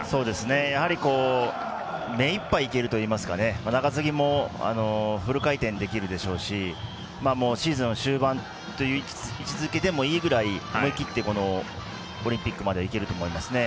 やはり目いっぱいいけるといいますか中継ぎもフル回転できるでしょうしシーズン終盤という位置づけでもいいぐらい思い切ってオリンピックまでいけると思います。